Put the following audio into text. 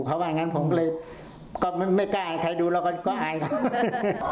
เขาว่างั้นผมก็เลยก็ไม่กล้าใครดูแล้วก็อายครับ